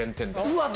うわっ！